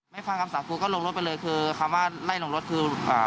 ฟังคำสากูก็ลงรถไปเลยคือคำว่าไล่ลงรถคืออ่า